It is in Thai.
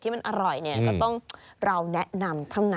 ที่มันอร่อยต้องเราแนะนำเท่านั้น